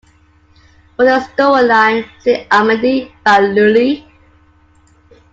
For the storyline, see "Armide" by Lully.